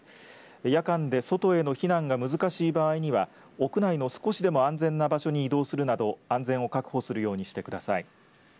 夜間で外への避難が難しい場合には屋内の少しでも安全な場所に移動するなど安全を確保するようにしてください。